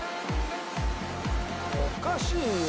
おかしいよ。